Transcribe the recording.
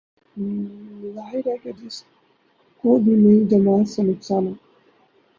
ظاہر ہے جس کس کو بھی نئی جماعت سے نقصان ہو